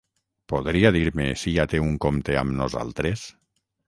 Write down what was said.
Podria dir-me si ja té un compte amb nosaltres?